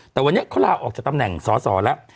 แต่วันนี้เขาลาออกจากตำแหน่งสอสอแล้ว